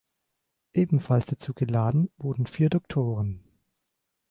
Ebenfalls dazu geladen wurden vier Doktoren.